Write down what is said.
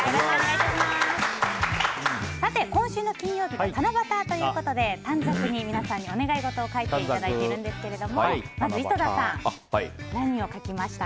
今週の金曜日が七夕ということで短冊に皆さんにお願い事を書いてもらっているんですがまず井戸田さん何を書きましたか？